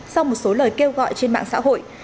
sau một số lời kêu gọi trên mạng xã hội